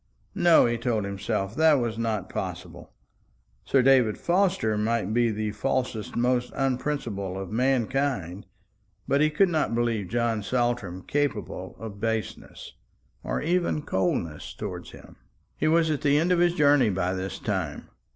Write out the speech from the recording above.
No, he told himself, that was not possible. Sir David Forster might be the falsest, most unprincipled of mankind; but he could not believe John Saltram capable of baseness, or even coldness, towards him. He was at the end of his journey by this time.